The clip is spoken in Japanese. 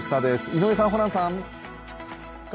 井上さん、ホランさん。